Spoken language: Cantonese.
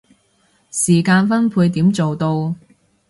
時間分配點做到